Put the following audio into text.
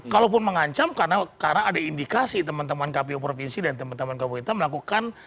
kalaupun mengancam karena ada indikasi teman teman kpu provinsi dan teman teman kpu melakukan